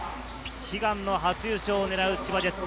悲願の初優勝を狙う千葉ジェッツ。